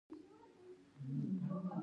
د حی علی الصلواه غږ نه دی کړی.